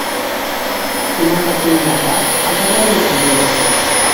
Нават не за так, а падарункам было.